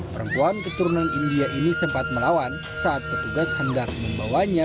perempuan keturunan india ini sempat melawan saat petugas hendak membawanya